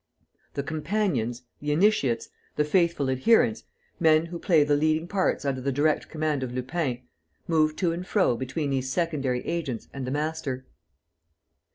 The companions, the initiates, the faithful adherents men who play the leading parts under the direct command of Lupin move to and fro between these secondary agents and the master.